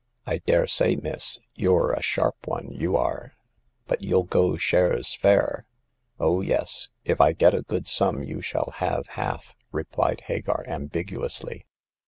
"I daresay, miss. You're a sharp one, you are !" But you'll go shares fair ?"" Oh, yes ; if I get a good sum, you shall have half," replied Hagar, ambiguously.